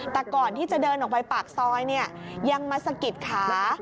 แต่ก่อนที่จะเดินออกไปปากซอยยังมาสะกิดขา